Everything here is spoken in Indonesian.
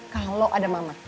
kalau ada mama